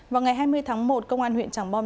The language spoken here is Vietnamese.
vào ngày hai mươi tháng một công an huyện tràng bom